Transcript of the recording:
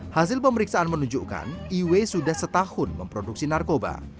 hasil pemeriksaan menunjukkan iwe sudah setahun memproduksi narkoba